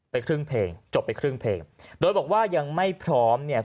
ครึ่งเพลงจบไปครึ่งเพลงโดยบอกว่ายังไม่พร้อมเนี่ย